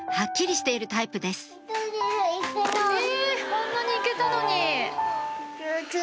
あんなに行けたのに。